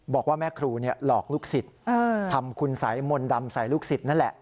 บอกว่าแม่ครูหลอกลูกศิษย์ทำคุณสัยมนต์ดำใส่ลูกศิษย์นั่นแหละ